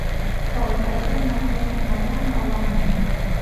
เขาเลยเอาต้นไม้กับม้านั่งมาวาง